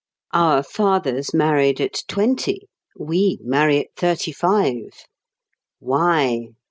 Our fathers married at twenty; we marry at thirty five. Why?